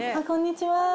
こんにちは。